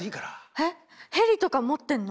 えっヘリとか持ってるの？